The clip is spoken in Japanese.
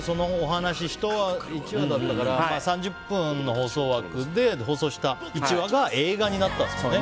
１話だったから３０分の放送枠で放送した１話が映画になったんですもんね。